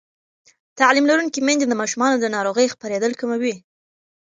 تعلیم لرونکې میندې د ماشومانو د ناروغۍ خپرېدل کموي.